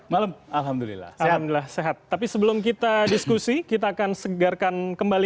malam alhamdulillah alhamdulillah sehat tapi sebelum kita diskusi kita akan segarkan kembali